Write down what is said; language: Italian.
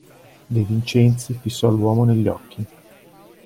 De Vincenzi fissò l'uomo negli occhi.